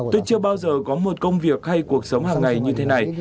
tôi chưa bao giờ có một công việc hay cuộc sống hàng ngày như thế này